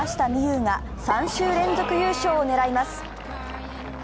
有が３週連続優勝を狙います。